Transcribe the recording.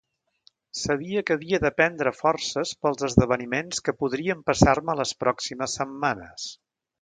Sabia que havia de prendre forces pels esdeveniments que podrien passar-me les pròximes setmanes.